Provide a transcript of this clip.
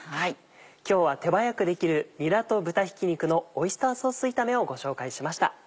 今日は手早くできる「にらと豚ひき肉のオイスターソース炒め」をご紹介しました。